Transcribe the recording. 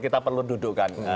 kita perlu dudukkan